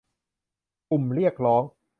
กลุ่มเรียกร้อง